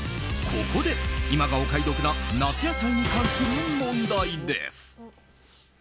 ここで、今がお買い得な夏野菜に関する問題です。